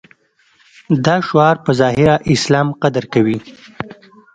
دا شعار په ظاهره اسلام قدر کوي.